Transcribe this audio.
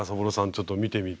ちょっと見てみて。